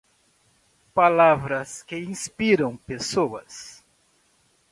Palavras que inspiram pessoas